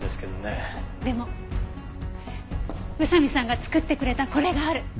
でも宇佐見さんが作ってくれたこれがある。